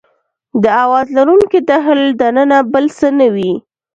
د اواز لرونکي ډهل دننه بل څه نه وي.